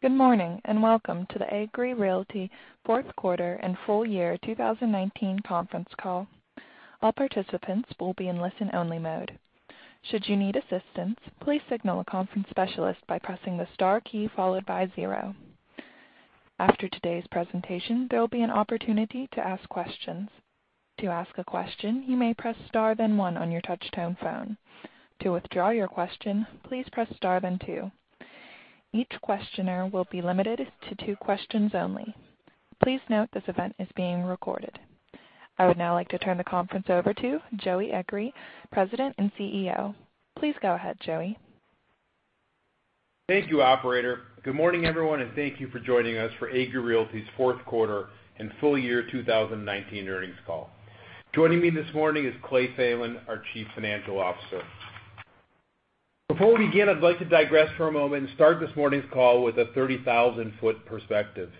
Good morning. Welcome to the Agree Realty fourth quarter and full year 2019 conference call. All participants will be in listen-only mode. Should you need assistance, please signal a conference specialist by pressing the star key followed by zero. After today's presentation, there will be an opportunity to ask questions. To ask a question, you may press star then one on your touch tone phone. To withdraw your question, please press star then two. Each questioner will be limited to two questions only. Please note this event is being recorded. I would now like to turn the conference over to Joey Agree, President and CEO. Please go ahead, Joey. Thank you, operator. Good morning, everyone, and thank you for joining us for Agree Realty's fourth quarter and full year 2019 earnings call. Joining me this morning is Clay Thelen, our Chief Financial Officer. Before we begin, I'd like to digress for a moment and start this morning's call with a 30,000 ft perspective.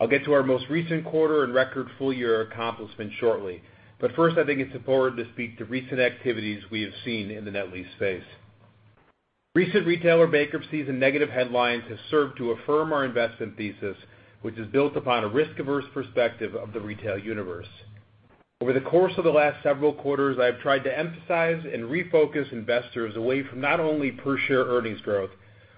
I'll get to our most recent quarter and record full year accomplishment shortly. First, I think it's important to speak to recent activities we have seen in the net lease space. Recent retailer bankruptcies and negative headlines have served to affirm our investment thesis, which is built upon a risk averse perspective of the retail universe. Over the course of the last several quarters, I've tried to emphasize and refocus investors away from not only per share earnings growth,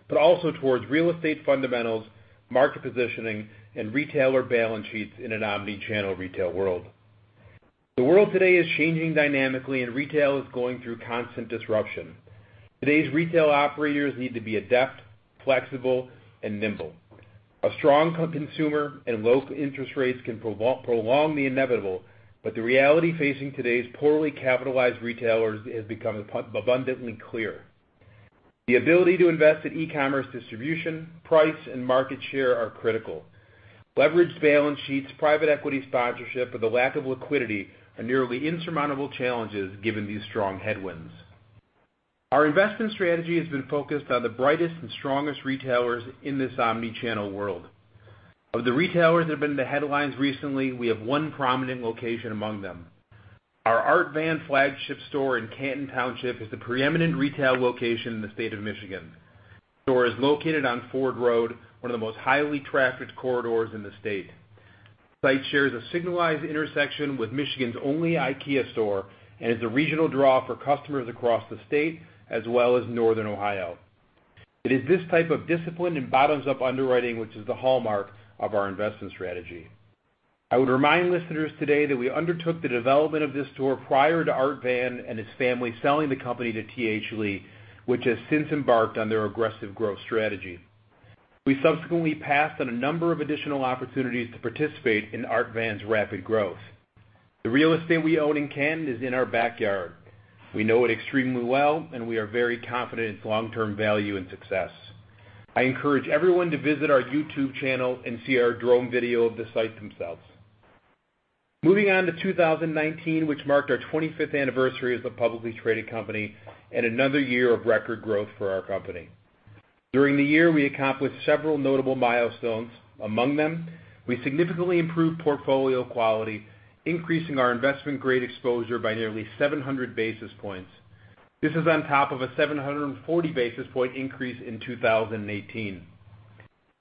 but also towards real estate fundamentals, market positioning, and retailer balance sheets in an omni-channel retail world. The world today is changing dynamically, and retail is going through constant disruption. Today's retail operators need to be adept, flexible, and nimble. A strong consumer and low interest rates can prolong the inevitable, but the reality facing today's poorly capitalized retailers has become abundantly clear. The ability to invest in e-commerce distribution, price, and market share are critical. Leveraged balance sheets, private equity sponsorship, and the lack of liquidity are nearly insurmountable challenges given these strong headwinds. Our investment strategy has been focused on the brightest and strongest retailers in this omni-channel world. Of the retailers that have been in the headlines recently, we have one prominent location among them. Our Art Van flagship store in Canton Township is the preeminent retail location in the state of Michigan. The store is located on Ford Road, one of the most highly trafficked corridors in the state. The site shares a signalized intersection with Michigan's only IKEA store and is a regional draw for customers across the state, as well as Northern Ohio. It is this type of discipline and bottoms-up underwriting which is the hallmark of our investment strategy. I would remind listeners today that we undertook the development of this store prior to Art Van and his family selling the company to T.H. Lee, which has since embarked on their aggressive growth strategy. We subsequently passed on a number of additional opportunities to participate in Art Van's rapid growth. The real estate we own in Canton is in our backyard. We know it extremely well, and we are very confident in its long term value and success. I encourage everyone to visit our YouTube channel and see our drone video of the site themselves. Moving on to 2019, which marked our 25th anniversary as a publicly traded company and another year of record growth for our company. During the year, we accomplished several notable milestones. Among them, we significantly improved portfolio quality, increasing our investment grade exposure by nearly 700 basis points. This is on top of a 740 basis point increase in 2018.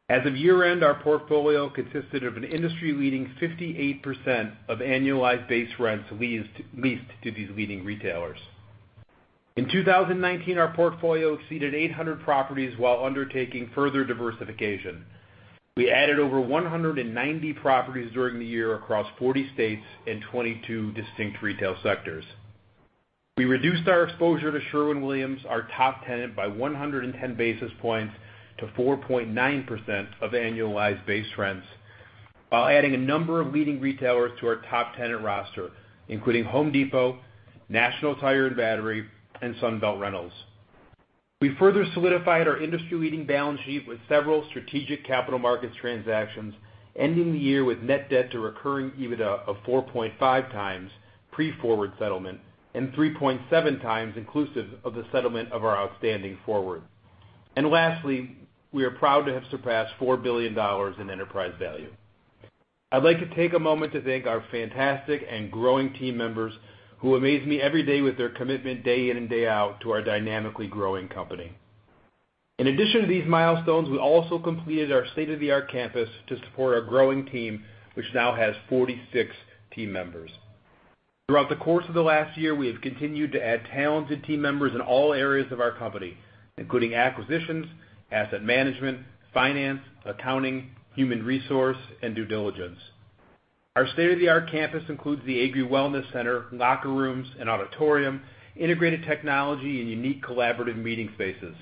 As of year end, our portfolio consisted of an industry leading 58% of annualized base rents leased to these leading retailers. In 2019, our portfolio exceeded 800 properties while undertaking further diversification. We added over 190 properties during the year across 40 states and 22 distinct retail sectors. We reduced our exposure to Sherwin-Williams, our top tenant, by 110 basis points to 4.9% of annualized base rents, while adding a number of leading retailers to our top tenant roster, including Home Depot, National Tire & Battery, and Sunbelt Rentals. We further solidified our industry leading balance sheet with several strategic capital markets transactions, ending the year with net debt to recurring EBITDA of 4.5x pre-forward settlement and 3.7x inclusive of the settlement of our outstanding forward. Lastly, we are proud to have surpassed $4 billion in enterprise value. I'd like to take a moment to thank our fantastic and growing team members who amaze me every day with their commitment day in and day out to our dynamically growing company. In addition to these milestones, we also completed our state-of-the-art campus to support our growing team, which now has 46 team members. Throughout the course of the last year, we have continued to add talented team members in all areas of our company, including acquisitions, asset management, finance, accounting, human resources, and due diligence. Our state-of-the-art campus includes the Agree Wellness Center, locker rooms, an auditorium, integrated technology, and unique collaborative meeting spaces.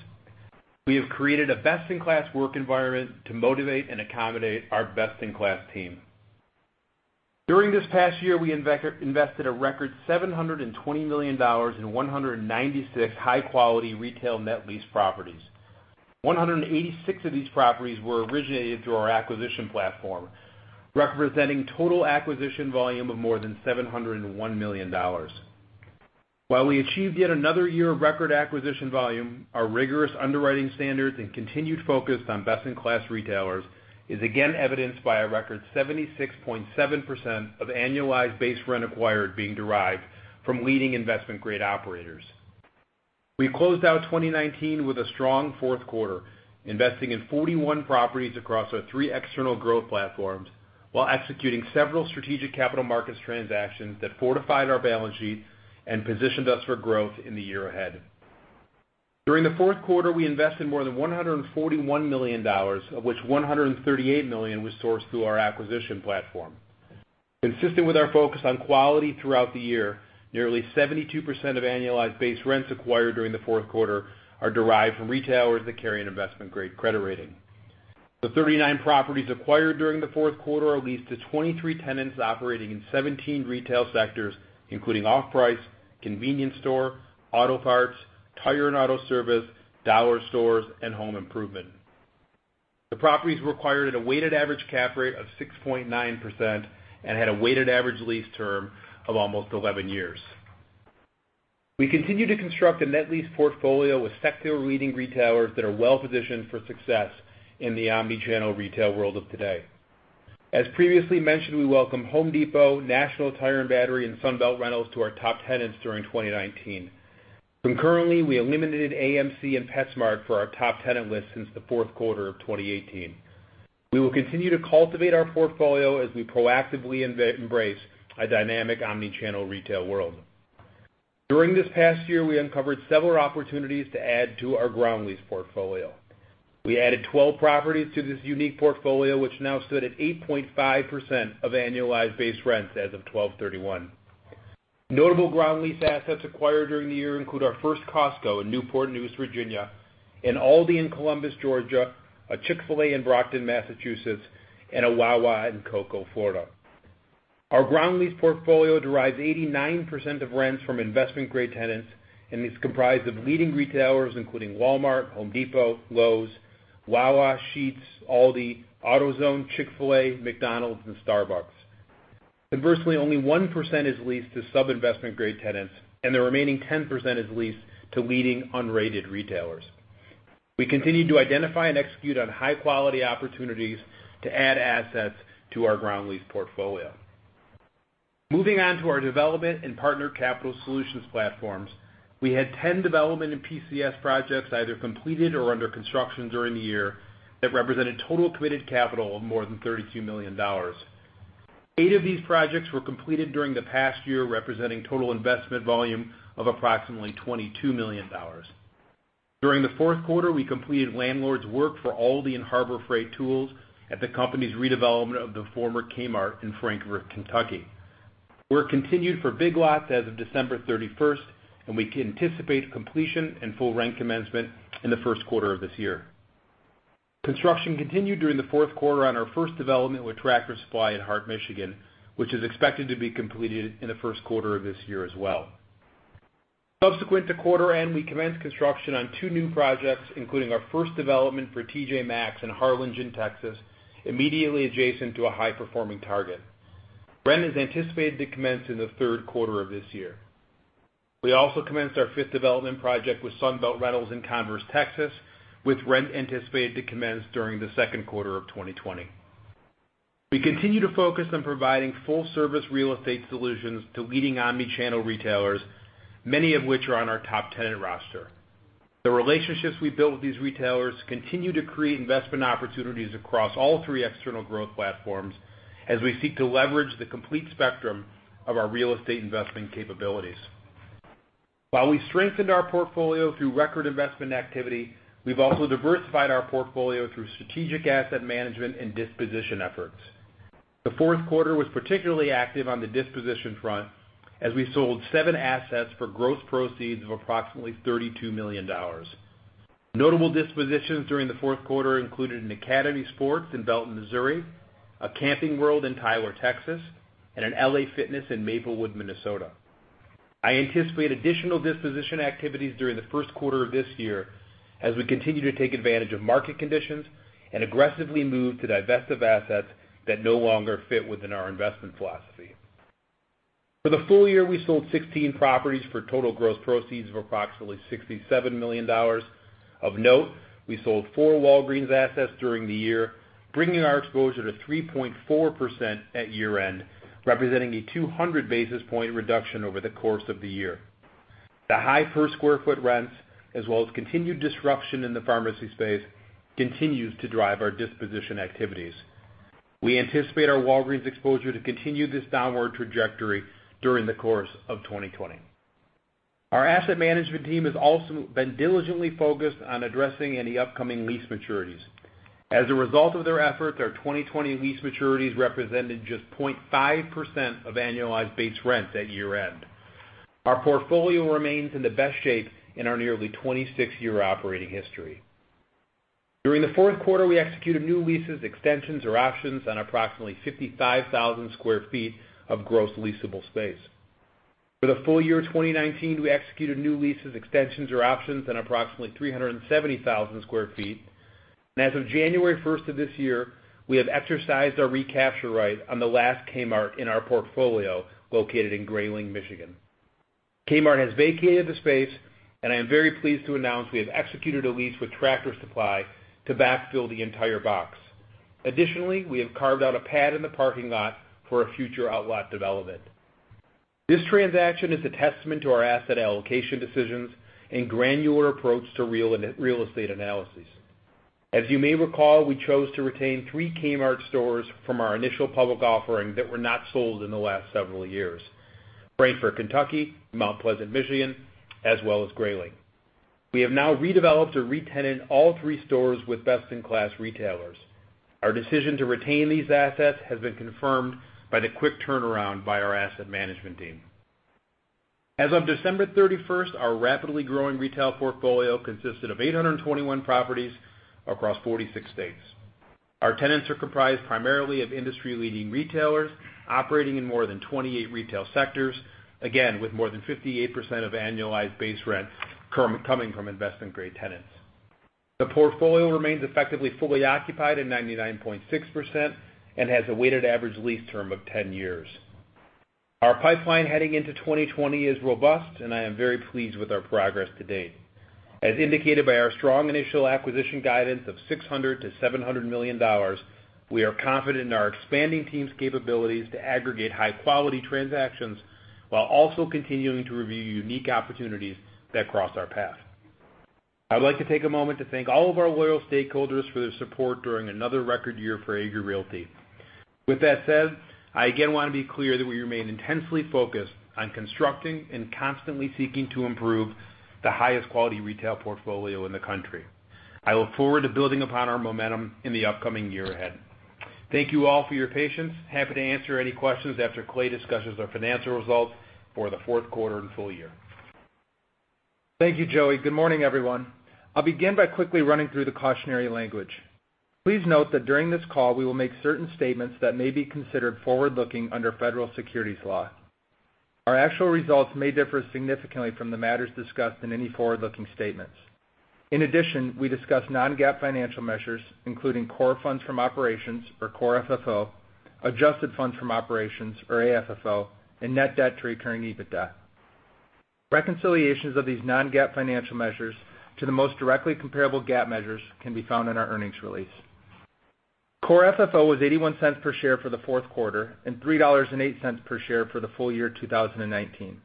We have created a best in class work environment to motivate and accommodate our best in class team. During this past year, we invested a record $720 million in 196 high quality retail net lease properties. 186 of these properties were originated through our acquisition platform, representing total acquisition volume of more than $701 million. While we achieved yet another year of record acquisition volume, our rigorous underwriting standards and continued focus on best in class retailers is again evidenced by a record 76.7% of annualized base rent acquired being derived from leading investment-grade operators. We closed out 2019 with a strong fourth quarter, investing in 41 properties across our three external growth platforms while executing several strategic capital markets transactions that fortified our balance sheet and positioned us for growth in the year ahead. During the fourth quarter, we invested more than $141 million, of which $138 million was sourced through our acquisition platform. Consistent with our focus on quality throughout the year, nearly 72% of annualized base rents acquired during the fourth quarter are derived from retailers that carry an investment-grade credit rating. The 39 properties acquired during the fourth quarter are leased to 23 tenants operating in 17 retail sectors, including off-price, convenience store, auto parts, tire and auto service, dollar stores, and home improvement. The properties acquired at a weighted average cap rate of 6.9% and had a weighted average lease term of almost 11 years. We continue to construct a net lease portfolio with sector-leading retailers that are well-positioned for success in the omni-channel retail world of today. As previously mentioned, we welcome Home Depot, National Tire & Battery, and Sunbelt Rentals to our top tenants during 2019. Concurrently, we eliminated AMC and PetSmart for our top tenant list since the fourth quarter of 2018. We will continue to cultivate our portfolio as we proactively embrace a dynamic omni-channel retail world. During this past year, we uncovered several opportunities to add to our ground lease portfolio. We added 12 properties to this unique portfolio, which now stood at 8.5% of annualized base rents as of 12/31. Notable ground lease assets acquired during the year include our first Costco in Newport News, Virginia, an Aldi in Columbus, Georgia, a Chick-fil-A in Brockton, Massachusetts, and a Wawa in Cocoa, Florida. Our ground lease portfolio derives 89% of rents from investment-grade tenants and is comprised of leading retailers, including Walmart, Home Depot, Lowe's, Wawa, Sheetz, Aldi, AutoZone, Chick-fil-A, McDonald's, and Starbucks. Conversely, only 1% is leased to sub-investment-grade tenants, and the remaining 10% is leased to leading unrated retailers. We continue to identify and execute on high-quality opportunities to add assets to our ground lease portfolio. Moving on to our development and partner capital solutions platforms. We had 10 development and PCS projects either completed or under construction during the year that represented total committed capital of more than $32 million. Eight of these projects were completed during the past year, representing total investment volume of approximately $22 million. During the fourth quarter, we completed landlord's work for Aldi and Harbor Freight Tools at the company's redevelopment of the former Kmart in Frankfort, Kentucky. Work continued for Big Lots as of December 31st, and we anticipate completion and full rent commencement in the first quarter of this year. Construction continued during the fourth quarter on our first development with Tractor Supply in Hart, Michigan, which is expected to be completed in the first quarter of this year as well. Subsequent to quarter end, we commenced construction on two new projects, including our first development for TJ Maxx in Harlingen, Texas, immediately adjacent to a high-performing Target. Rent is anticipated to commence in the third quarter of this year. We also commenced our fifth development project with Sunbelt Rentals in Converse, Texas, with rent anticipated to commence during the second quarter of 2020. We continue to focus on providing full-service real estate solutions to leading omni-channel retailers, many of which are on our top tenant roster. The relationships we built with these retailers continue to create investment opportunities across all three external growth platforms as we seek to leverage the complete spectrum of our real estate investment capabilities. While we strengthened our portfolio through record investment activity, we've also diversified our portfolio through strategic asset management and disposition efforts. The fourth quarter was particularly active on the disposition front, as we sold seven assets for gross proceeds of approximately $32 million. Notable dispositions during the fourth quarter included an Academy Sports in Belton, Missouri, a Camping World in Tyler, Texas, and an LA Fitness in Maplewood, Minnesota. I anticipate additional disposition activities during the first quarter of this year as we continue to take advantage of market conditions and aggressively move to divest of assets that no longer fit within our investment philosophy. For the full year, we sold 16 properties for total gross proceeds of approximately $67 million. Of note, we sold four Walgreens assets during the year, bringing our exposure to 3.4% at year-end, representing a 200 basis point reduction over the course of the year. The high per square foot rents, as well as continued disruption in the pharmacy space, continues to drive our disposition activities. We anticipate our Walgreens exposure to continue this downward trajectory during the course of 2020. Our asset management team has also been diligently focused on addressing any upcoming lease maturities. As a result of their efforts, our 2020 lease maturities represented just 0.5% of annualized base rents at year-end. Our portfolio remains in the best shape in our nearly 26-year operating history. During the fourth quarter, we executed new leases, extensions, or options on approximately 55,000 sq ft of gross leasable space. For the full year 2019, we executed new leases, extensions, or options on approximately 370,000 sq ft. As of January 1st of this year, we have exercised our recapture right on the last Kmart in our portfolio, located in Grayling, Michigan. Kmart has vacated the space, and I am very pleased to announce we have executed a lease with Tractor Supply to backfill the entire box. Additionally, we have carved out a pad in the parking lot for a future outlet development. This transaction is a testament to our asset allocation decisions and granular approach to real estate analysis. As you may recall, we chose to retain three Kmart stores from our initial public offering that were not sold in the last several years, Frankfort, Kentucky, Mount Pleasant, Michigan, as well as Grayling. We have now redeveloped or re-tenanted all three stores with best-in-class retailers. Our decision to retain these assets has been confirmed by the quick turnaround by our asset management team. As of December 31st, our rapidly growing retail portfolio consisted of 821 properties across 46 states. Our tenants are comprised primarily of industry-leading retailers operating in more than 28 retail sectors, again, with more than 58% of annualized base rent coming from investment-grade tenants. The portfolio remains effectively fully occupied at 99.6% and has a weighted average lease term of 10 years. Our pipeline heading into 2020 is robust, and I am very pleased with our progress to date. As indicated by our strong initial acquisition guidance of $600 million-$700 million, we are confident in our expanding team's capabilities to aggregate high-quality transactions while also continuing to review unique opportunities that cross our path. I'd like to take a moment to thank all of our loyal stakeholders for their support during another record year for Agree Realty. With that said, I again want to be clear that we remain intensely focused on constructing and constantly seeking to improve the highest quality retail portfolio in the country. I look forward to building upon our momentum in the upcoming year ahead. Thank you all for your patience. Happy to answer any questions after Clay discusses our financial results for the fourth quarter and full year. Thank you, Joey. Good morning, everyone. I'll begin by quickly running through the cautionary language. Please note that during this call, we will make certain statements that may be considered forward-looking under federal securities law. Our actual results may differ significantly from the matters discussed in any forward-looking statements. In addition, we discuss non-GAAP financial measures, including Core Funds from Operations, or Core FFO, Adjusted Funds from Operations, or AFFO, and net debt to recurring EBITDA. Reconciliations of these non-GAAP financial measures to the most directly comparable GAAP measures can be found in our earnings release. Core FFO was $0.81 per share for the fourth quarter and $3.08 per share for the full year 2019,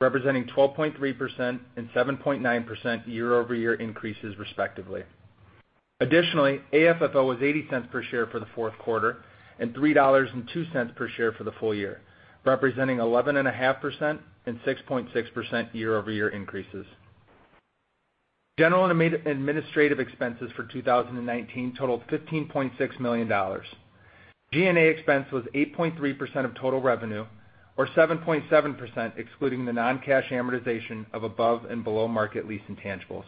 representing 12.3% and 7.9% year-over-year increases respectively. Additionally, AFFO was $0.80 per share for the fourth quarter and $3.02 per share for the full year, representing 11.5% and 6.6% year-over-year increases. General and administrative expenses for 2019 totaled $15.6 million. G&A expense was 8.3% of total revenue or 7.7% excluding the non-cash amortization of above and below-market lease intangibles,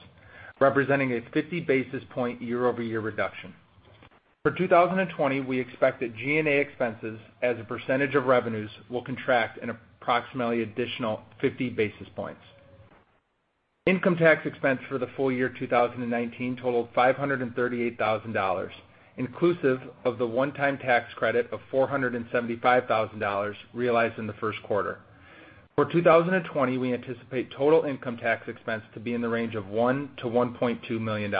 representing a 50 basis point year-over-year reduction. For 2020, we expect that G&A expenses as a percentage of revenues will contract an approximately additional 50 basis points. Income tax expense for the full year 2019 totaled $538,000, inclusive of the one-time tax credit of $475,000 realized in the first quarter. For 2020, we anticipate total income tax expense to be in the range of $1 million-$1.2 million.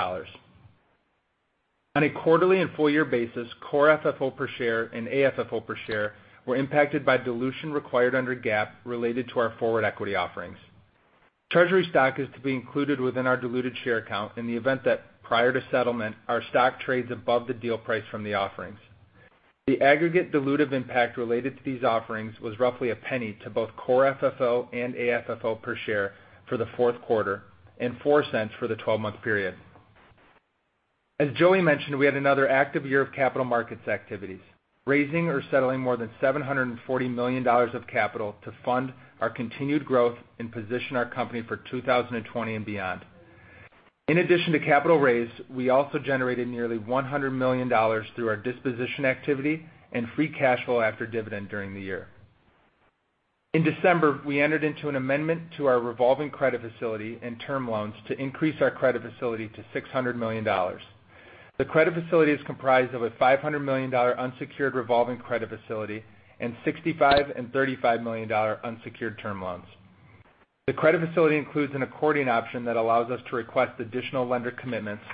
On a quarterly and full-year basis, core FFO per share and AFFO per share were impacted by dilution required under GAAP related to our forward equity offerings. Treasury stock is to be included within our diluted share count in the event that prior to settlement, our stock trades above the deal price from the offerings. The aggregate dilutive impact related to these offerings was roughly $0.01 to both Core FFO and AFFO per share for the fourth quarter and $0.04 for the 12-month period. As Joey mentioned, we had another active year of capital markets activities, raising or settling more than $740 million of capital to fund our continued growth and position our company for 2020 and beyond. In addition to capital raised, we also generated nearly $100 million through our disposition activity and free cash flow after dividend during the year. In December, we entered into an amendment to our revolving credit facility and term loans to increase our credit facility to $600 million. The credit facility is comprised of a $500 million unsecured revolving credit facility and $65 million and $35 million unsecured term loans. The credit facility includes an accordion option that allows us to request additional lender commitments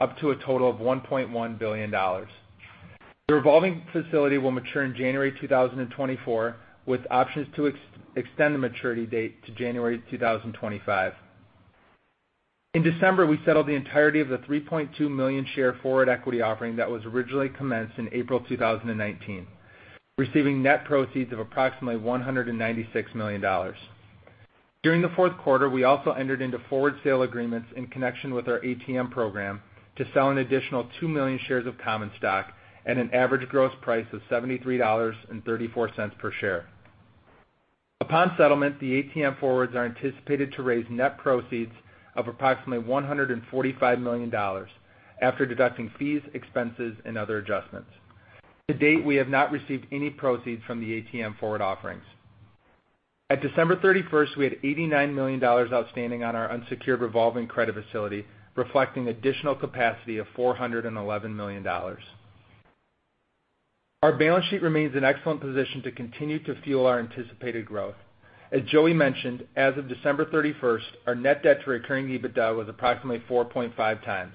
up to a total of $1.1 billion. The revolving facility will mature in January 2024, with options to extend the maturity date to January 2025. In December, we settled the entirety of the 3.2 million share forward equity offering that was originally commenced in April 2019, receiving net proceeds of approximately $196 million. During the fourth quarter, we also entered into forward sale agreements in connection with our ATM program to sell an additional 2 million shares of common stock at an average gross price of $73.34 per share. Upon settlement, the ATM forwards are anticipated to raise net proceeds of approximately $145 million after deducting fees, expenses, and other adjustments. To date, we have not received any proceeds from the ATM forward offerings. At December 31st, we had $89 million outstanding on our unsecured revolving credit facility, reflecting additional capacity of $411 million. Our balance sheet remains in excellent position to continue to fuel our anticipated growth. As Joey mentioned, as of December 31st, our net debt to recurring EBITDA was approximately 4.5x.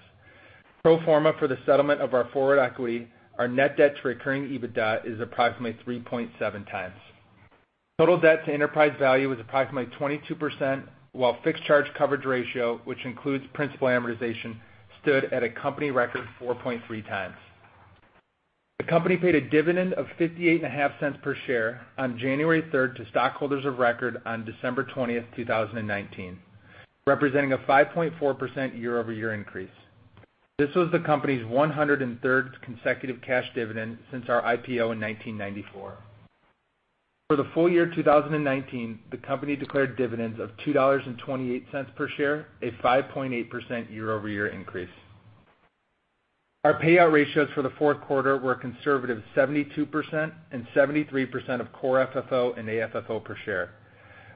Pro forma for the settlement of our forward equity, our net debt to recurring EBITDA is approximately 3.7x. Total debt to enterprise value is approximately 22%, while fixed charge coverage ratio, which includes principal amortization, stood at a company record 4.3x. The company paid a dividend of 58 and a half cents per share on January 3rd to stockholders of record on December 20th, 2019, representing a 5.4% year-over-year increase. This was the company's 103rd consecutive cash dividend since our IPO in 1994. For the full year 2019, the company declared dividends of $2.28 per share, a 5.8% year-over-year increase. Our payout ratios for the fourth quarter were a conservative 72% and 73% of Core FFO and AFFO per share.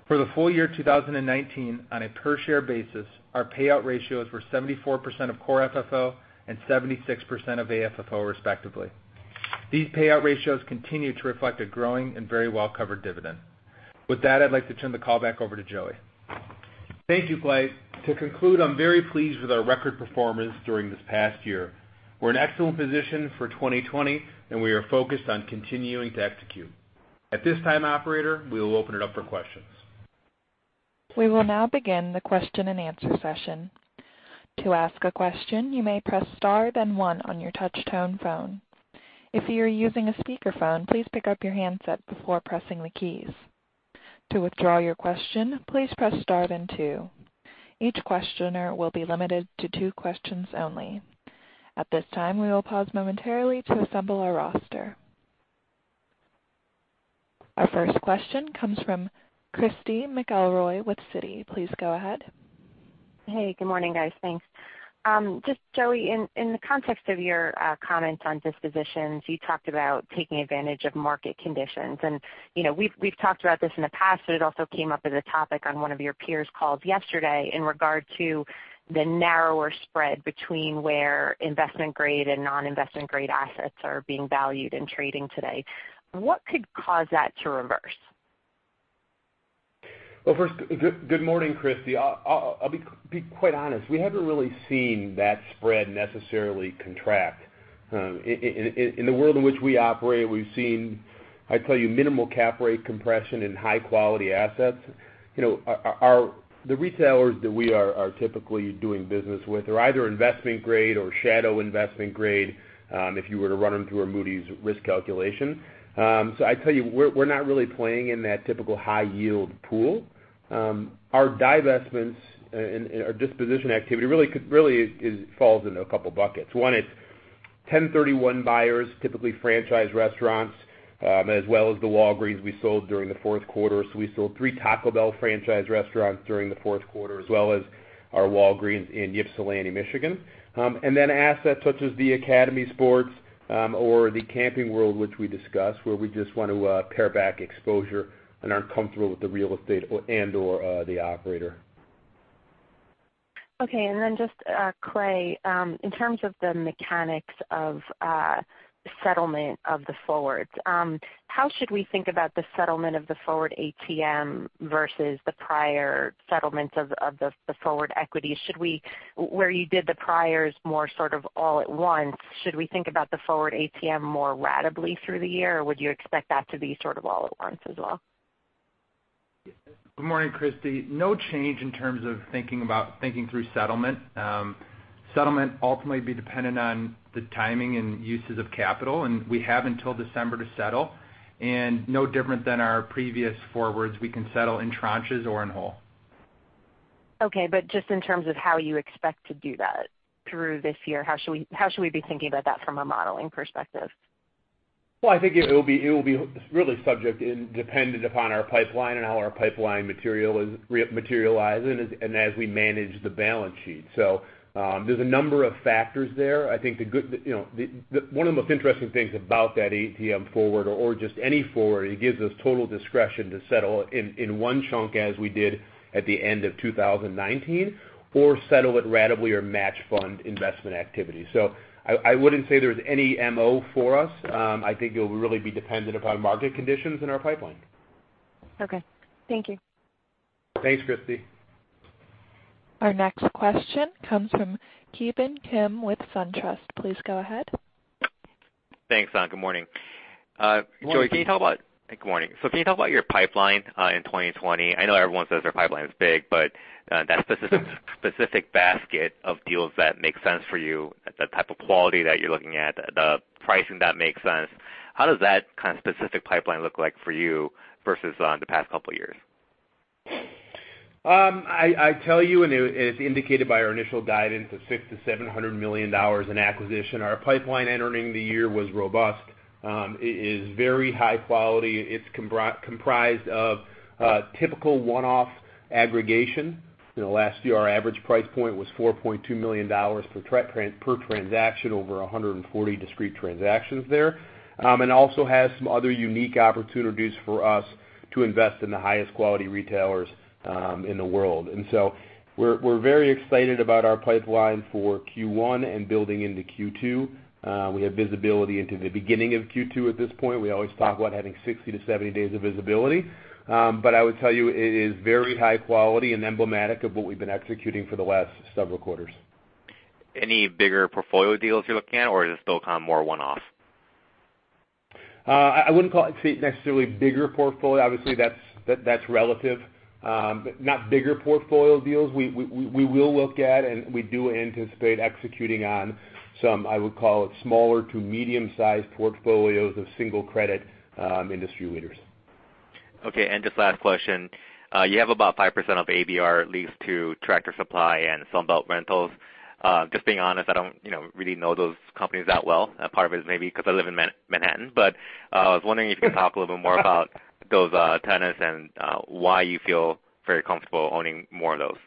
For the full year 2019, on a per share basis, our payout ratios were 74% of Core FFO and 76% of AFFO respectively. These payout ratios continue to reflect a growing and very well covered dividend. With that, I'd like to turn the call back over to Joey. Thank you, Clay. To conclude, I'm very pleased with our record performance during this past year. We're in excellent position for 2020, we are focused on continuing to execute. At this time, operator, we will open it up for questions. We will now begin the question-and-answer session. To ask a question, you may press star then one on your touch tone phone. If you are using a speakerphone, please pick up your handset before pressing the keys. To withdraw your question, please press star then two. Each questioner will be limited to two questions only. At this time, we will pause momentarily to assemble our roster. Our first question comes from Christy McElroy with Citi. Please go ahead. Hey, good morning, guys. Thanks. Just Joey, in the context of your comments on dispositions, you talked about taking advantage of market conditions. We've talked about this in the past, but it also came up as a topic on one of your peers' calls yesterday in regard to the narrower spread between where investment grade and non-investment grade assets are being valued and trading today. What could cause that to reverse? First, good morning, Christy. I'll be quite honest, we haven't really seen that spread necessarily contract. In the world in which we operate, we've seen, I'd tell you, minimal cap rate compression and high-quality assets. The retailers that we are typically doing business with are either investment grade or shadow investment grade, if you were to run them through a Moody's risk calculation. I tell you, we're not really playing in that typical high yield pool. Our divestments and our disposition activity really falls into a couple of buckets. One is 1031 buyers, typically franchise restaurants, as well as the Walgreens we sold during the fourth quarter. We sold three Taco Bell franchise restaurants during the fourth quarter, as well as our Walgreens in Ypsilanti, Michigan. Assets such as the Academy Sports, or the Camping World, which we discussed, where we just want to pare back exposure and aren't comfortable with the real estate and/or the operator. Okay. Just Clay, in terms of the mechanics of settlement of the forwards, how should we think about the settlement of the forward ATM versus the prior settlements of the forward equity? Where you did the priors more sort of all at once, should we think about the forward ATM more ratably through the year, or would you expect that to be sort of all at once as well? Good morning, Christy. No change in terms of thinking through settlement. Settlement ultimately would be dependent on the timing and uses of capital, and we have until December to settle. No different than our previous forwards. We can settle in tranches or in whole. Okay, but just in terms of how you expect to do that through this year. How should we be thinking about that from a modeling perspective? Well, I think it will be really subject and dependent upon our pipeline and how our pipeline materialize, and as we manage the balance sheet. There's a number of factors there. One of the most interesting things about that ATM forward or just any forward, it gives us total discretion to settle in one chunk as we did at the end of 2019, or settle it ratably or match fund investment activity. I wouldn't say there's any M.O. for us. I think it'll really be dependent upon market conditions and our pipeline. Okay. Thank you. Thanks, Christy. Our next question comes from Ki Bin Kim with SunTrust. Please go ahead. Thanks. Good morning. Good morning. Can you talk about your pipeline in 2020? I know everyone says their pipeline's big, but that specific basket of deals that makes sense for you, the type of quality that you're looking at, the pricing that makes sense, how does that kind of specific pipeline look like for you versus the past couple of years? I tell you, it's indicated by our initial guidance of $600 million-$700 million in acquisition. Our pipeline entering the year was robust. It is very high quality. It's comprised of typical one-off aggregation. In the last year, our average price point was $4.2 million per transaction, over 140 discrete transactions there. Also has some other unique opportunities for us to invest in the highest quality retailers in the world. We're very excited about our pipeline for Q1 and building into Q2. We have visibility into the beginning of Q2 at this point. We always talk about having 60-70 days of visibility. I would tell you, it is very high quality and emblematic of what we've been executing for the last several quarters. Any bigger portfolio deals you're looking at, or does it still come more one-off? I wouldn't call it necessarily bigger portfolio. Obviously, that's relative. Not bigger portfolio deals. We will look at, and we do anticipate executing on some, I would call it, smaller-to-medium-sized portfolios of single credit industry leaders. Okay. Just last question. You have about 5% of ABR leased to Tractor Supply and Sunbelt Rentals. Just being honest, I don't really know those companies that well. Part of it is maybe because I live in Manhattan. I was wondering if you could talk a little bit more about those tenants and why you feel very comfortable owning more of those.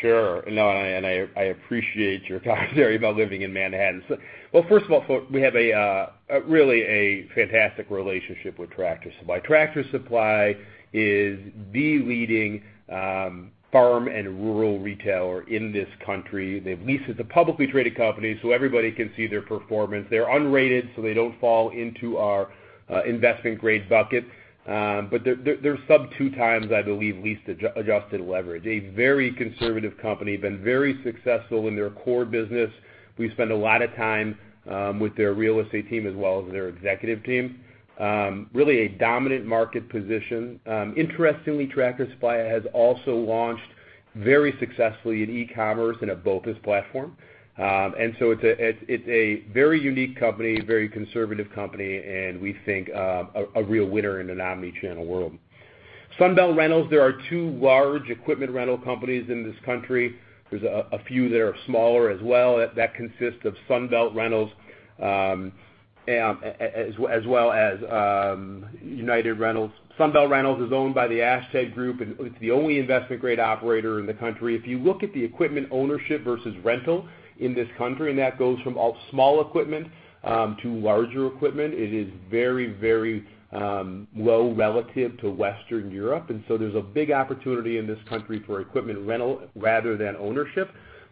Sure. No, I appreciate your commentary about living in Manhattan. First of all, we have really a fantastic relationship with Tractor Supply. Tractor Supply is the leading farm and rural retailer in this country. It's a publicly traded company, everybody can see their performance. They're unrated, they don't fall into our investment grade bucket. They're sub 2x, I believe, leased adjusted leverage, a very conservative company, been very successful in their core business. We spend a lot of time with their real estate team as well as their executive team, really a dominant market position. Interestingly, Tractor Supply has also launched very successfully in e-commerce and a BOPIS platform. It's a very unique company, very conservative company, and we think, a real winner in an omni-channel world. Sunbelt Rentals, there are two large equipment rental companies in this country. There's a few that are smaller as well, that consist of Sunbelt Rentals as well as United Rentals. Sunbelt Rentals is owned by The Ashtead Group, and it's the only investment-grade operator in the country. If you look at the equipment ownership versus rental in this country, and that goes from small equipment to larger equipment, it is very low relative to Western Europe. There's a big opportunity in this country for equipment rental rather than ownership.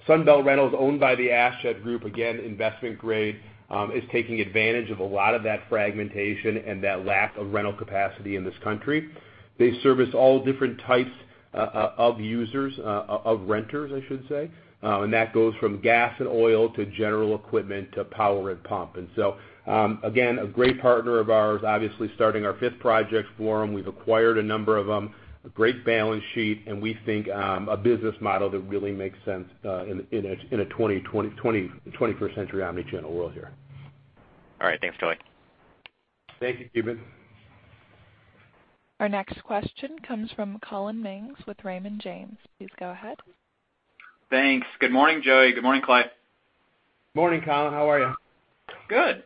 Sunbelt Rentals is owned by The Ashtead Group, again, investment grade, is taking advantage of a lot of that fragmentation and that lack of rental capacity in this country. They service all different types of renters, and that goes from gas and oil to general equipment to power and pump. Again, a great partner of ours, obviously starting our fifth project for them. We've acquired a number of them, a great balance sheet, and we think, a business model that really makes sense in a 21st century omni-channel world here. All right. Thanks, Joey. Thank you, Ki Bin. Our next question comes from Collin Mings with Raymond James. Please go ahead. Thanks. Good morning, Joey. Good morning, Clay. Morning, Collin. How are you? Good.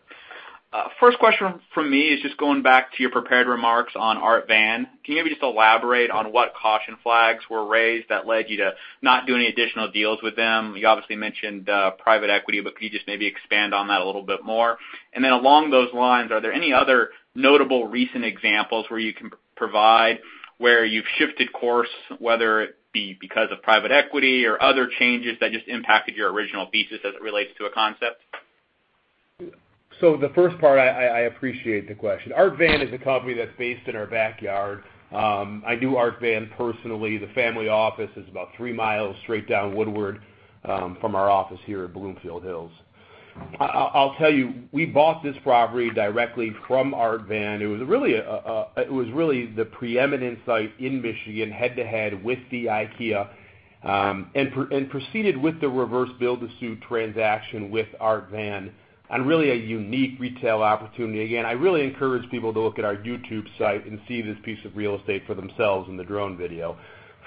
First question from me is just going back to your prepared remarks on Art Van. Can you maybe just elaborate on what caution flags were raised that led you to not do any additional deals with them? You obviously mentioned private equity, could you just maybe expand on that a little bit more? Along those lines, are there any other notable recent examples where you can provide where you've shifted course, whether it be because of private equity or other changes that just impacted your original thesis as it relates to a concept? The first part, I appreciate the question. Art Van is a company that's based in our backyard. I knew Art Van personally. The family office is about three miles straight down Woodward from our office here at Bloomfield Hills. I'll tell you, we bought this property directly from Art Van. It was really the preeminent site in Michigan, head-to-head with the IKEA, and proceeded with the reverse build to suit transaction with Art Van, and really a unique retail opportunity. Again, I really encourage people to look at our YouTube site and see this piece of real estate for themselves in the drone video.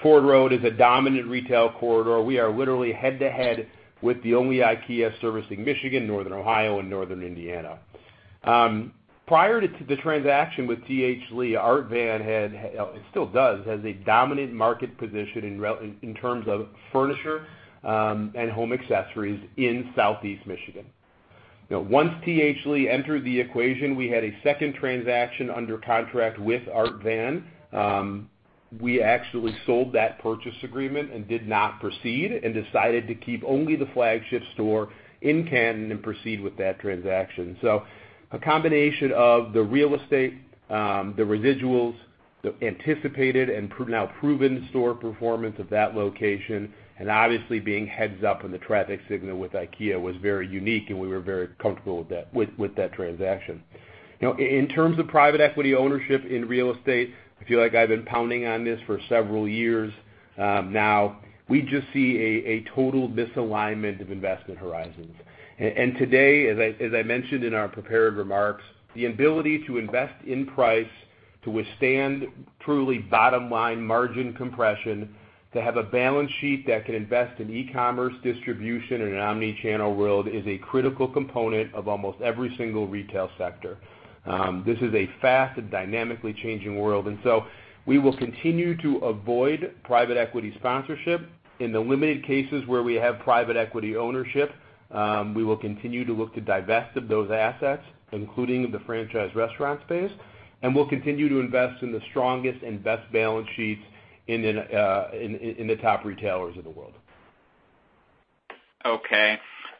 Ford Road is a dominant retail corridor. We are literally head-to-head with the only IKEA servicing Michigan, Northern Ohio, and Northern Indiana. Prior to the transaction with T.H. Art Van had, it still does, has a dominant market position in terms of furniture and home accessories in Southeast Michigan. Once T.H. Lee entered the equation, we had a second transaction under contract with Art Van. We actually sold that purchase agreement and did not proceed and decided to keep only the flagship store in Canton and proceed with that transaction. A combination of the real estate, the residuals, the anticipated and now proven store performance of that location, and obviously being heads up in the traffic signal with IKEA was very unique, and we were very comfortable with that transaction. In terms of private equity ownership in real estate, I feel like I've been pounding on this for several years now. We just see a total misalignment of investment horizons. Today, as I mentioned in our prepared remarks, the ability to invest in price to withstand truly bottom-line margin compression, to have a balance sheet that can invest in e-commerce distribution in an omni-channel world is a critical component of almost every single retail sector. This is a fast and dynamically changing world. We will continue to avoid private equity sponsorship. In the limited cases where we have private equity ownership. We will continue to look to divest of those assets, including the franchise restaurant space, and we'll continue to invest in the strongest and best balance sheets in the top retailers of the world. Okay.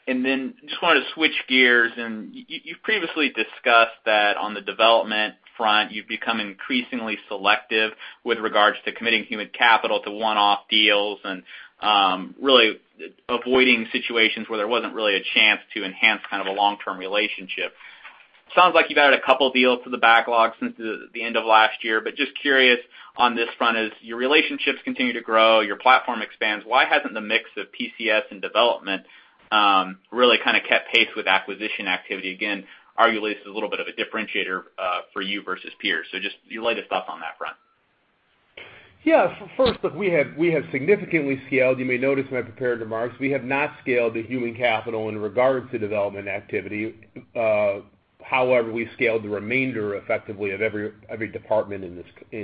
Just wanted to switch gears, and you've previously discussed that on the development front, you've become increasingly selective with regards to committing human capital to one-off deals and really avoiding situations where there wasn't really a chance to enhance kind of a long-term relationship. Sounds like you've added a couple deals to the backlog since the end of last year, just curious on this front as your relationships continue to grow, your platform expands, why hasn't the mix of PCS and development really kind of kept pace with acquisition activity, again, arguably, as a little bit of a differentiator for you versus peers? Just lay us up on that front. Yeah. First, look, we have significantly scaled, you may notice in my prepared remarks, we have not scaled the human capital in regards to development activity. However, we scaled the remainder effectively of every department in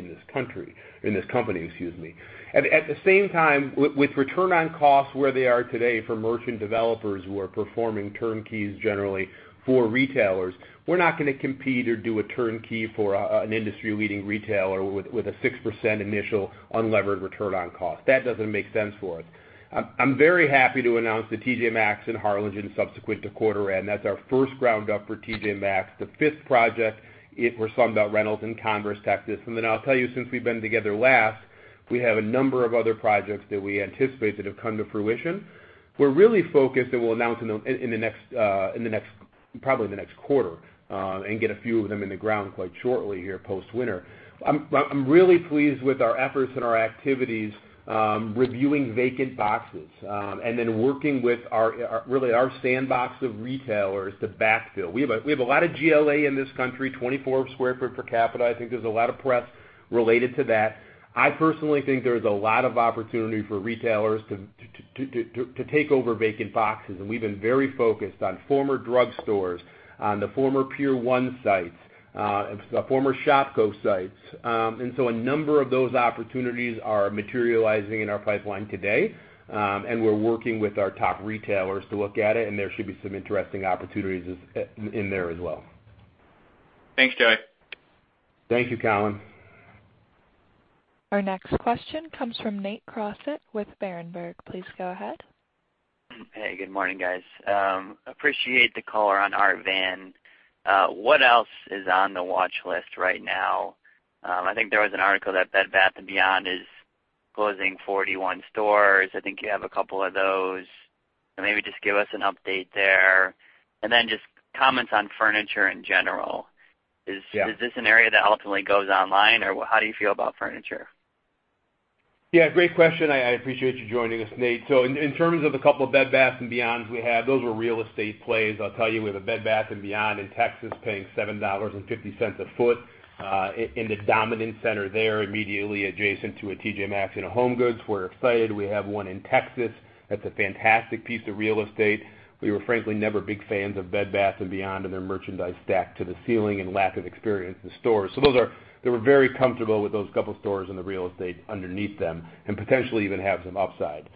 this company. At the same time, with return on costs where they are today for merchant developers who are performing turnkeys generally for retailers, we're not going to compete or do a turnkey for an industry-leading retailer with a 6% initial unlevered return on cost. That doesn't make sense for us. I'm very happy to announce the TJ Maxx in Harlingen subsequent to quarter end. That's our first ground up for TJ Maxx, the fifth project for Sunbelt Rentals in Converse, Texas. I'll tell you, since we've been together last, we have a number of other projects that we anticipate that have come to fruition. We're really focused, and we'll announce probably in the next quarter, and get a few of them in the ground quite shortly here post-winter. I'm really pleased with our efforts and our activities, reviewing vacant boxes, then working with really our sandbox of retailers to backfill. We have a lot of GLA in this country, 24 sq ft per capita. I think there's a lot of press related to that. I personally think there's a lot of opportunity for retailers to take over vacant boxes, and we've been very focused on former drug stores, on the former Pier 1 sites, the former Shopko sites. A number of those opportunities are materializing in our pipeline today, and we're working with our top retailers to look at it, and there should be some interesting opportunities in there as well. Thanks, Joey. Thank you, Colin. Our next question comes from Nate Crossett with Berenberg. Please go ahead. Hey, good morning, guys. Appreciate the color on Art Van. What else is on the watch list right now? I think there was an article that Bed Bath & Beyond is closing 41 stores. I think you have a couple of those. Maybe just give us an update there, and then just comments on furniture in general. Yeah. Is this an area that ultimately goes online, or how do you feel about furniture? Yeah, great question. I appreciate you joining us, Nate. In terms of the couple of Bed Bath & Beyonds we have, those were real estate plays. I'll tell you, we have a Bed Bath & Beyond in Texas paying $7.50 a foot in the dominant center there immediately adjacent to a TJ Maxx and a HomeGoods. We're excited we have one in Texas. That's a fantastic piece of real estate. We were frankly never big fans of Bed Bath & Beyond and their merchandise stacked to the ceiling and lack of experience in stores. We're very comfortable with those couple stores and the real estate underneath them, and potentially even have some upside.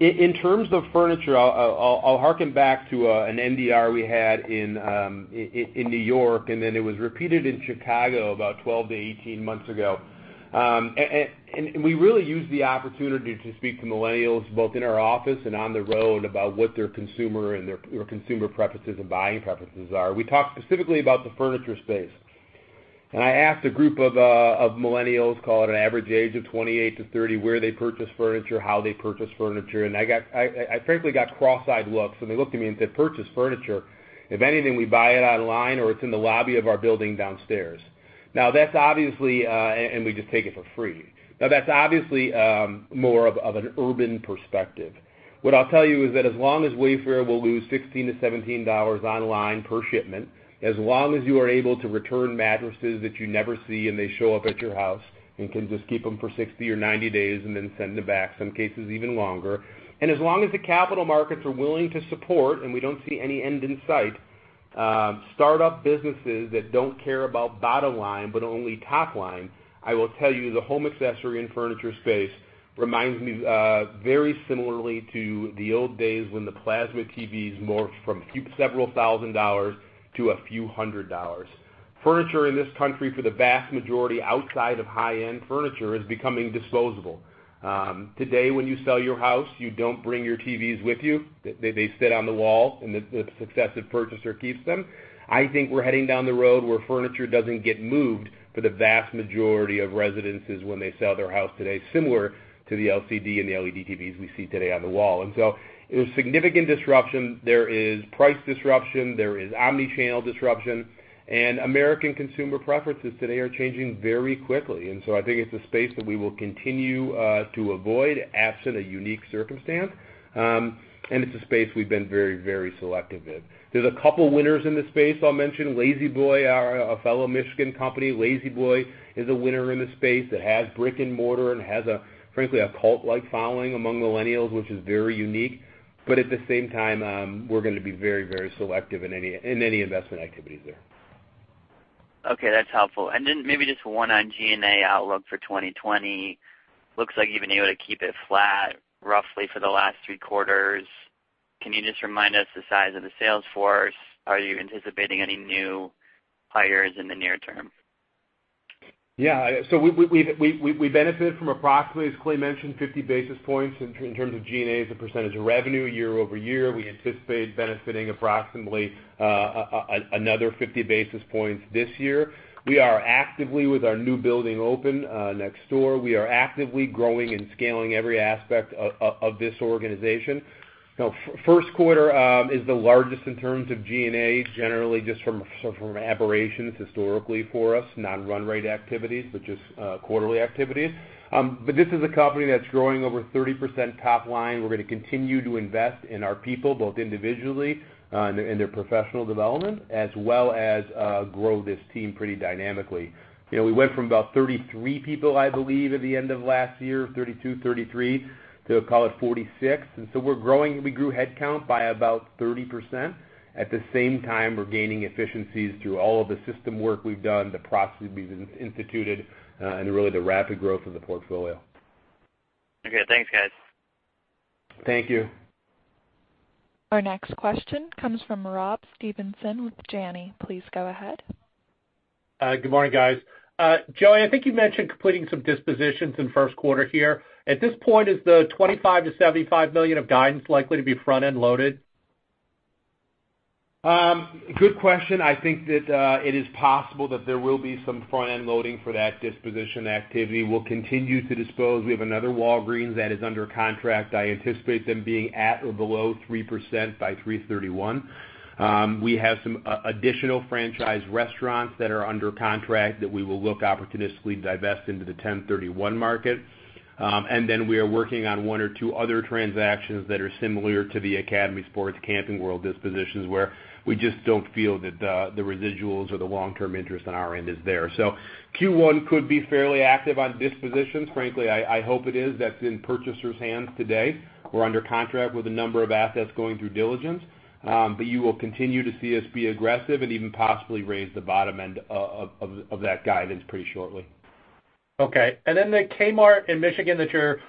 In terms of furniture, I'll harken back to an NDR we had in New York, and then it was repeated in Chicago about 12-18 months ago. We really used the opportunity to speak to millennials, both in our office and on the road, about what their consumer and their consumer preferences and buying preferences are. We talked specifically about the furniture space. I asked a group of millennials, call it an average age of 28-30, where they purchase furniture, how they purchase furniture, and I frankly got cross-eyed looks when they looked at me and said, "Purchase furniture? If anything, we buy it online, or it's in the lobby of our building downstairs." We just take it for free. That's obviously more of an urban perspective. What I'll tell you is that as long as Wayfair will lose $16-$17 online per shipment, as long as you are able to return mattresses that you never see, and they show up at your house and can just keep them for 60 or 90 days and then send them back, some cases even longer, and as long as the capital markets are willing to support, and we don't see any end in sight, startup businesses that don't care about bottom line, but only top line, I will tell you, the home accessory and furniture space reminds me very similarly to the old days when the plasma TVs morphed from several thousand dollars to a few hundred dollars. Furniture in this country for the vast majority outside of high-end furniture is becoming disposable. Today, when you sell your house, you don't bring your TVs with you. They sit on the wall, and the successive purchaser keeps them. I think we're heading down the road where furniture doesn't get moved for the vast majority of residences when they sell their house today, similar to the LCD and the LED TVs we see today on the wall. There's significant disruption. There is price disruption. There is omni-channel disruption. American consumer preferences today are changing very quickly. I think it's a space that we will continue to avoid absent a unique circumstance. It's a space we've been very selective in. There's a couple winners in this space I'll mention. La-Z-Boy, our fellow Michigan company. La-Z-Boy is a winner in the space that has brick and mortar and has, frankly, a cult-like following among millennials, which is very unique. At the same time, we're going to be very selective in any investment activities there. Okay, that's helpful. Maybe just one on G&A outlook for 2020. Looks like you've been able to keep it flat roughly for the last three quarters. Can you just remind us the size of the sales force? Are you anticipating any new hires in the near term? Yeah. We benefited from approximately, as Clay mentioned, 50 basis points in terms of G&A as a percentage of revenue year-over-year. We anticipate benefiting approximately another 50 basis points this year. With our new building open next door, we are actively growing and scaling every aspect of this organization. First quarter is the largest in terms of G&A, generally just from aberrations historically for us, non-run rate activities, but just quarterly activities. This is a company that's growing over 30% top line. We're going to continue to invest in our people, both individually in their professional development, as well as grow this team pretty dynamically. We went from about 33 people, I believe, at the end of last year, 32, 33, to call it 46. We grew headcount by about 30%. At the same time, we're gaining efficiencies through all of the system work we've done, the processes we've instituted, and really the rapid growth of the portfolio. Okay. Thanks, guys. Thank you. Our next question comes from Rob Stevenson with Janney. Please go ahead. Good morning, guys. Joey, I think you mentioned completing some dispositions in first quarter here. At this point, is the $25 million-$75 million of guidance likely to be front-end loaded? Good question. I think that it is possible that there will be some front-end loading for that disposition activity. We'll continue to dispose. We have another Walgreens that is under contract. I anticipate them being at or below 3% by 331. We have some additional franchise restaurants that are under contract that we will look opportunistically to divest into the 1031 market. Then we are working on one or two other transactions that are similar to the Academy Sports, Camping World dispositions, where we just don't feel that the residuals or the long-term interest on our end is there. Q1 could be fairly active on dispositions. Frankly, I hope it is. That's in purchasers' hands today. We're under contract with a number of assets going through diligence. You will continue to see us be aggressive and even possibly raise the bottom end of that guidance pretty shortly. Okay, the Kmart in Michigan that you're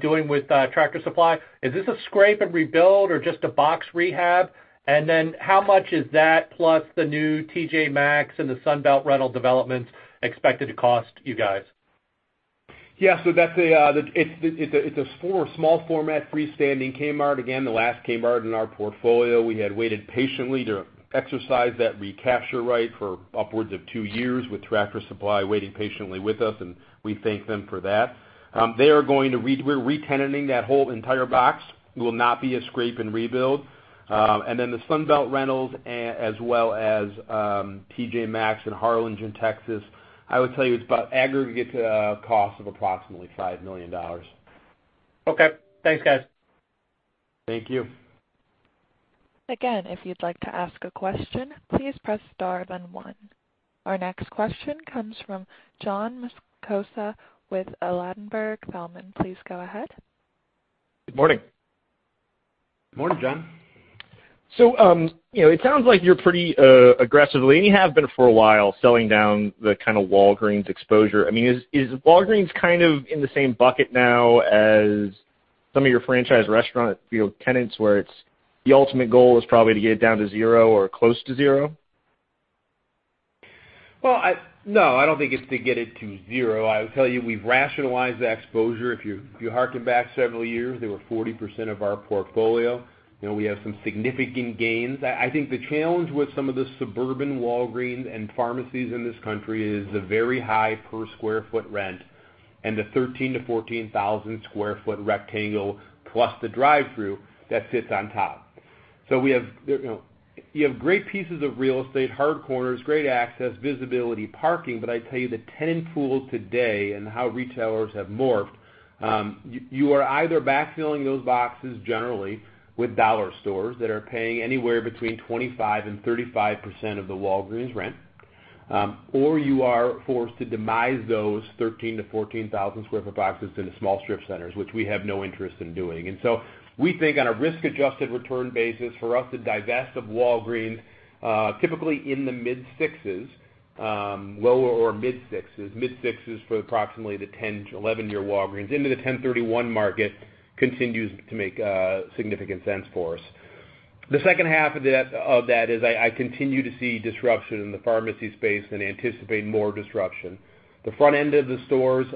doing with Tractor Supply, is this a scrape and rebuild or just a box rehab? How much is that, plus the new TJ Maxx and the Sunbelt Rentals developments expected to cost you guys? It's a small format, freestanding Kmart. Again, the last Kmart in our portfolio. We had waited patiently to exercise that recapture right for upwards of two years with Tractor Supply waiting patiently with us, and we thank them for that. We're re-tenanting that whole entire box. It will not be a scrape and rebuild. The Sunbelt Rentals, as well as TJ Maxx in Harlingen, Texas, I would tell you it's about aggregate cost of approximately $5 million. Okay. Thanks, guys. Thank you. Again, if you'd like to ask a question, please press star then one. Our next question comes from John Massocca with Ladenburg Thalmann. Please go ahead. Good morning. Morning, John. It sounds like you're pretty aggressively, and you have been for a while, selling down the kind of Walgreens exposure. Is Walgreens kind of in the same bucket now as some of your franchise restaurant tenants, where the ultimate goal is probably to get it down to zero or close to zero? Well, no, I don't think it's to get it to zero. I will tell you, we've rationalized the exposure. If you harken back several years, they were 40% of our portfolio. We have some significant gains. I think the challenge with some of the suburban Walgreens and pharmacies in this country is the very high per square foot rent and the 13,000 sq ft-14,000 sq ft rectangle plus the drive-through that sits on top. You have great pieces of real estate, hard corners, great access, visibility, parking, but I tell you, the tenant pool today and how retailers have morphed, you are either backfilling those boxes generally with dollar stores that are paying anywhere between 25% and 35% of the Walgreens rent, or you are forced to demise those 13,000 sq ft-14,000 sq ft boxes into small strip centers, which we have no interest in doing. We think on a risk-adjusted return basis, for us to divest of Walgreens, typically in the mid-sixes, lower or mid-sixes. Mid-sixes for approximately the 10-11 year Walgreens into the 1031 market continues to make significant sense for us. The second half of that is I continue to see disruption in the pharmacy space and anticipate more disruption. The front end of the stores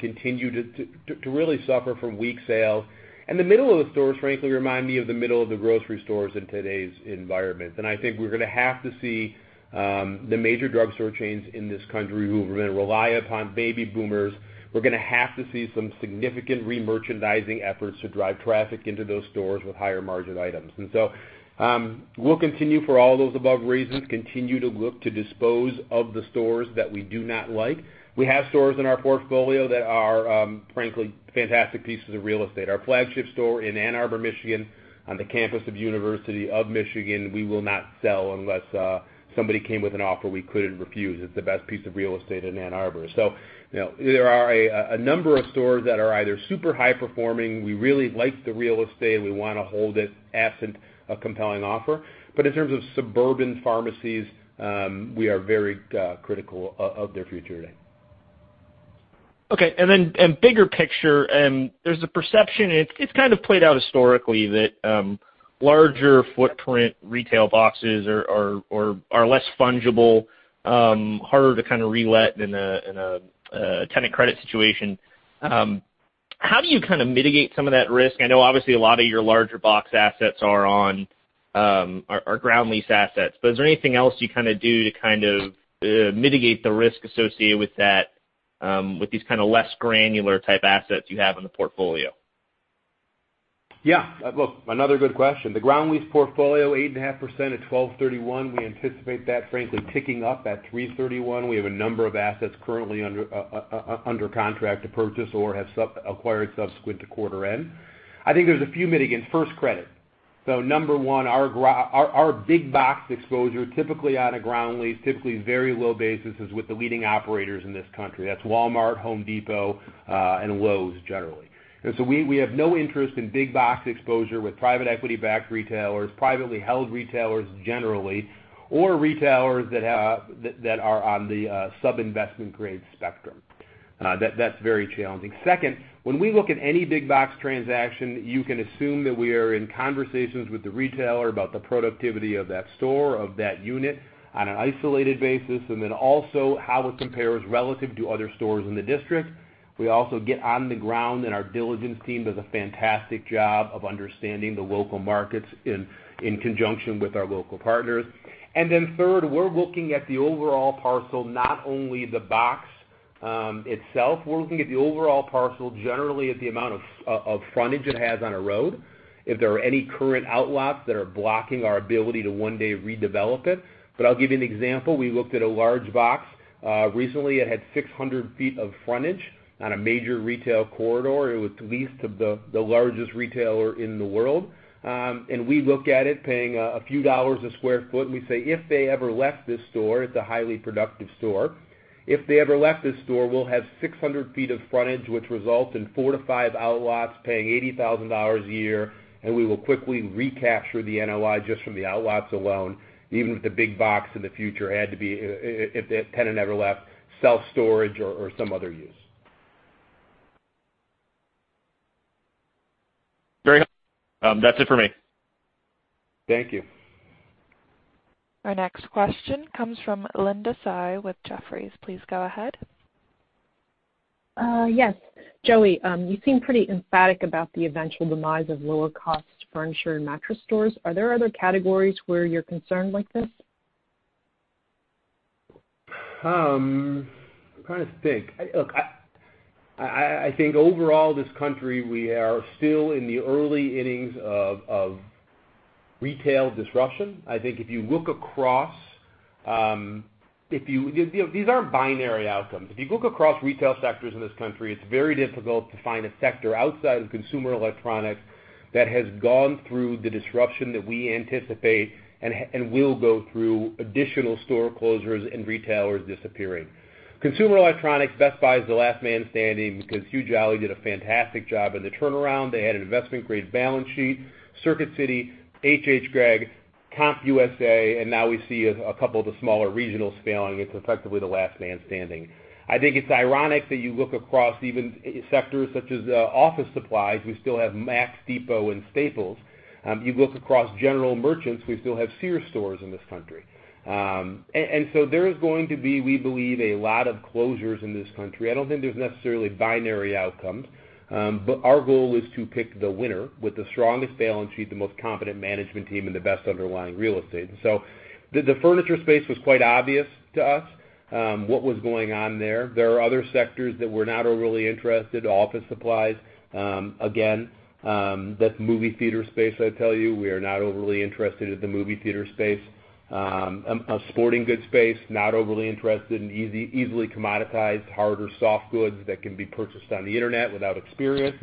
continue to really suffer from weak sales. The middle of the stores, frankly, remind me of the middle of the grocery stores in today's environment. I think we're going to have to see the major drugstore chains in this country who have been reliant upon baby boomers. We're going to have to see some significant re-merchandising efforts to drive traffic into those stores with higher margin items. We'll continue for all those above reasons, continue to look to dispose of the stores that we do not like. We have stores in our portfolio that are, frankly, fantastic pieces of real estate. Our flagship store in Ann Arbor, Michigan, on the campus of University of Michigan, we will not sell unless somebody came with an offer we couldn't refuse. It's the best piece of real estate in Ann Arbor. There are a number of stores that are either super high performing, we really like the real estate, we want to hold it absent a compelling offer. In terms of suburban pharmacies, we are very critical of their future today. Okay. Bigger picture, there's a perception, it's kind of played out historically, that larger footprint retail boxes are less fungible, harder to re-let in a tenant credit situation. How do you kind of mitigate some of that risk? I know obviously a lot of your larger box assets are ground lease assets, but is there anything else you do to mitigate the risk associated with these kind of less granular type assets you have in the portfolio? Look, another good question. The ground lease portfolio, 8.5% at 12/31. We anticipate that frankly ticking up at 3/31. We have a number of assets currently under contract to purchase or have acquired subsequent to quarter end. I think there's a few mitigants. First, credit. Number one, our big box exposure, typically on a ground lease, typically very low basis, is with the leading operators in this country. That's Walmart, Home Depot, and Lowe's generally. We have no interest in big box exposure with private equity-backed retailers, privately held retailers generally, or retailers that are on the sub-investment grade spectrum. That's very challenging. Second, when we look at any big box transaction, you can assume that we are in conversations with the retailer about the productivity of that store, of that unit on an isolated basis, and then also how it compares relative to other stores in the district. We also get on the ground, and our diligence team does a fantastic job of understanding the local markets in conjunction with our local partners. Third, we're looking at the overall parcel, not only the box itself. We're looking at the overall parcel, generally at the amount of frontage it has on a road, if there are any current outlots that are blocking our ability to one day redevelop it. I'll give you an example. Recently, it had 600 ft of frontage on a major retail corridor. It was leased to the largest retailer in the world. We look at it paying a few dollars a square foot, and we say, if they ever left this store, it's a highly productive store, if they ever left this store, we'll have 600 ft of frontage, which results in four to five outlots paying $80,000 a year, and we will quickly recapture the NOI just from the outlots alone, even if the big box in the future had to be, if the tenant ever left, self-storage or some other use. Very helpful. That's it for me. Thank you. Our next question comes from Linda Tsai with Jefferies. Please go ahead. Yes. Joey, you seem pretty emphatic about the eventual demise of lower cost furniture and mattress stores. Are there other categories where you're concerned like this? I'm trying to think. Look, I think overall, this country, we are still in the early innings of retail disruption. These aren't binary outcomes. If you look across retail sectors in this country, it's very difficult to find a sector outside of consumer electronics that has gone through the disruption that we anticipate and will go through additional store closures and retailers disappearing. Consumer electronics, Best Buy is the last man standing because Hubert Joly did a fantastic job in the turnaround. They had an investment-grade balance sheet. Circuit City, hhgregg, CompUSA, and now we see a couple of the smaller regionals failing. It's effectively the last man standing. I think it's ironic that you look across even sectors such as office supplies. We still have Office Depot and Staples. You look across general merchants, we still have Sears stores in this country. There is going to be, we believe, a lot of closures in this country. I don't think there's necessarily binary outcomes. Our goal is to pick the winner with the strongest balance sheet, the most competent management team, and the best underlying real estate. The furniture space was quite obvious to us what was going on there. There are other sectors that we're not overly interested. Office supplies, again. That movie theater space, I tell you, we are not overly interested in the movie theater space. A sporting goods space, not overly interested in easily commoditized hard or soft goods that can be purchased on the internet without experience.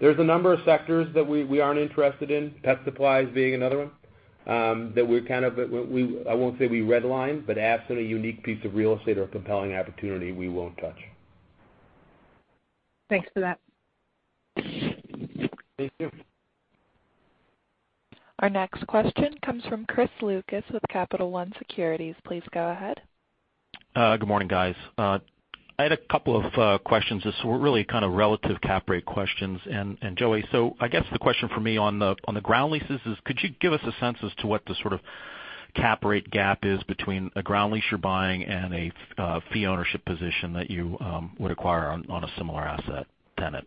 There's a number of sectors that we aren't interested in, pet supplies being another one, that I won't say we redline, but absent a unique piece of real estate or compelling opportunity, we won't touch. Thanks for that. Thank you. Our next question comes from Chris Lucas with Capital One Securities. Please go ahead. Good morning, guys. I had a couple of questions. These were really kind of relative cap rate questions. Joey, I guess the question for me on the ground leases is, could you give us a sense as to what the sort of cap rate gap is between a ground lease you're buying and a fee ownership position that you would acquire on a similar asset tenant?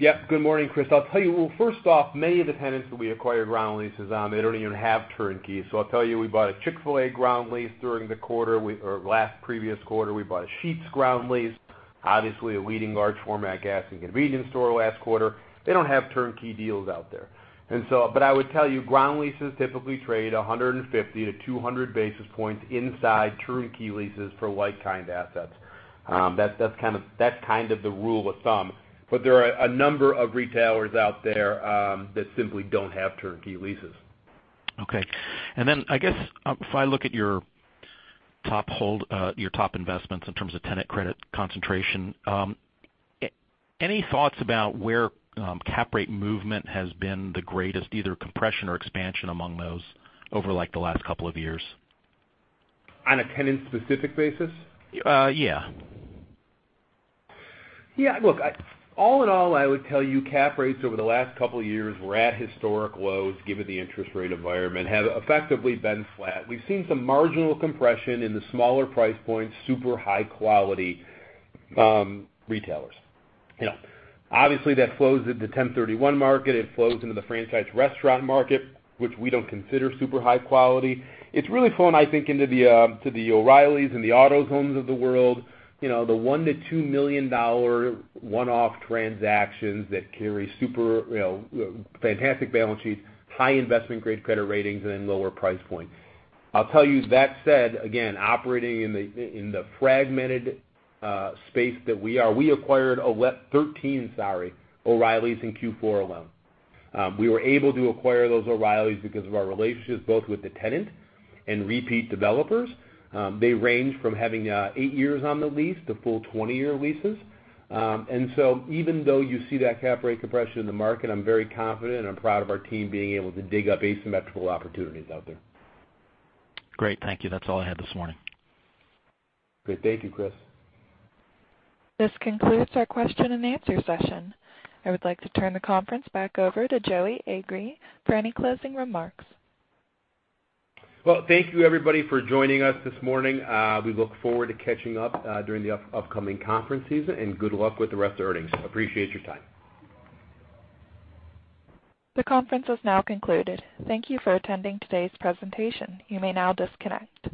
Good morning, Chris. I'll tell you, well, first off, many of the tenants that we acquire ground leases on, they don't even have turnkey. I'll tell you, we bought a Chick-fil-A ground lease during the quarter, or last previous quarter. We bought a Sheetz ground lease, obviously a leading large format gas and convenience store last quarter. They don't have turnkey deals out there. I would tell you, ground leases typically trade 150 basis points-200 basis points inside turnkey leases for like-kind assets. That's kind of the rule of thumb. There are a number of retailers out there that simply don't have turnkey leases. Okay. I guess if I look at your top investments in terms of tenant credit concentration, any thoughts about where cap rate movement has been the greatest, either compression or expansion among those over the last couple of years? On a tenant-specific basis? Yeah. Yeah. Look, all in all, I would tell you cap rates over the last couple of years were at historic lows, given the interest rate environment, have effectively been flat. We've seen some marginal compression in the smaller price points, super high-quality retailers. Obviously, that flows into the 1031 market. It flows into the franchise restaurant market, which we don't consider super high quality. It's really flowing, I think, into the O'Reilly's and the AutoZones of the world. The $1 million-$2 million one-off transactions that carry super fantastic balance sheets, high investment-grade credit ratings, and lower price points. I'll tell you, that said, again, operating in the fragmented space that we are, we acquired 13 O'Reilly's in Q4 alone. We were able to acquire those O'Reilly's because of our relationships, both with the tenant and repeat developers. They range from having eight years on the lease to full 20-year leases. Even though you see that cap rate compression in the market, I'm very confident and I'm proud of our team being able to dig up asymmetrical opportunities out there. Great. Thank you. That's all I had this morning. Great. Thank you, Chris. This concludes our question-and-answer session. I would like to turn the conference back over to Joey Agree for any closing remarks. Well, thank you everybody for joining us this morning. We look forward to catching up during the upcoming conference season, and good luck with the rest of earnings. Appreciate your time. The conference has now concluded. Thank you for attending today's presentation. You may now disconnect.